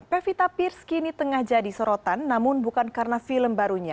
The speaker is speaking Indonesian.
pevita pirs kini tengah jadi sorotan namun bukan karena film barunya